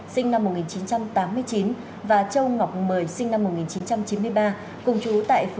sinh năm một nghìn chín trăm tám mươi chín và châu ngọc mời sinh năm một nghìn chín trăm chín mươi ba